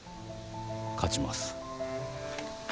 勝ちます。